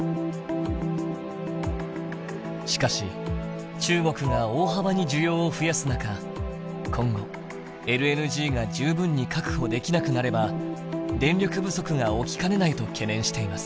しかし中国が大幅に需要を増やす中今後ＬＮＧが十分に確保できなくなれば電力不足が起きかねないと懸念しています。